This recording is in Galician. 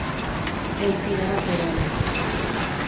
El tiraba por ela.